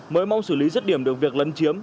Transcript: mới mong xử lý rứt điểm được việc lấn chiếm